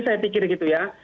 saya pikir gitu ya